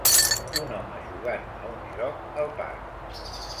Un home jugant a un joc al parc.